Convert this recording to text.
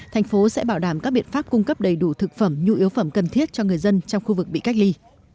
thành phố sẽ bảo đảm các biện pháp cung cấp đầy đủ thực phẩm nhu yếu phẩm cần thiết cho người dân trong khu vực bị cách ly